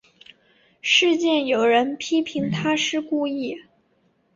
事件有人批评她是故意。